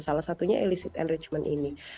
salah satunya illicit enrichment ini